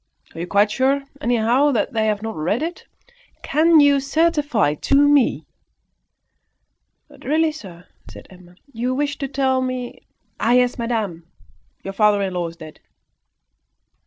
Are you quite sure, anyhow, that they have not read it? Can you certify to me " "But really, sir," said Emma, "you wished to tell me " "Ah, yes! madame. Your father in law is dead."